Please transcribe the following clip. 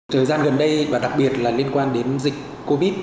trời gian gần đây và đặc biệt là liên quan đến dịch covid một mươi chín